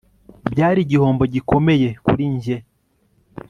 Byari igihombo gikomeye kuri njye